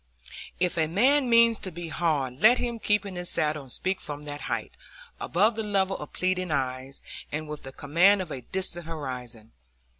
If a man means to be hard, let him keep in his saddle and speak from that height, above the level of pleading eyes, and with the command of a distant horizon.